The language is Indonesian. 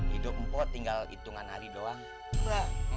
hidup mpo tinggal hitungan hari doang